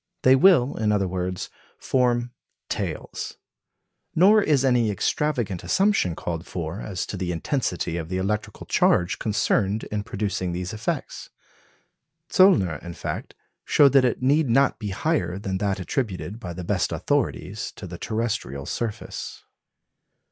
They will, in other words, form "tails." Nor is any extravagant assumption called for as to the intensity of the electrical charge concerned in producing these effects. Zöllner, in fact, showed that it need not be higher than that attributed by the best authorities to the terrestrial surface.